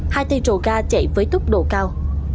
hai tay trồ ga chạy với tốc độ cao